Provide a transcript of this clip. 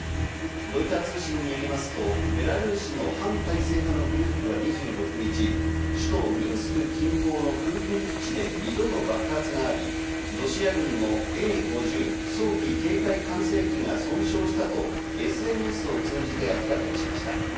ロイター通信によりますと、ベラルーシの反体制派のグループは２６日、首都ミンスク近郊の空軍基地で２度の爆発があり、ロシア軍のＡ−５０早期警戒管制機が損傷したとＳＮＳを通じて明らかにしました。